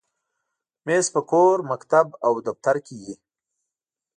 مېز په کور، مکتب، او دفتر کې وي.